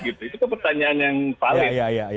itu pertanyaan yang paling